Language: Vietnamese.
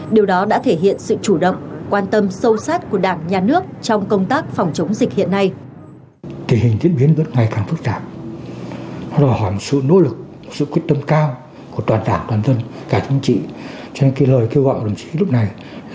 điều đó đã thể hiện sự chủ động quan tâm sâu sát của đảng nhà nước trong công tác phòng chống dịch hiện nay